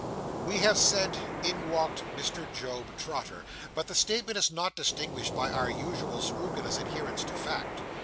We have said in walked Mr. Job Trotter, but the statement is not distinguished by our usual scrupulous adherence to fact.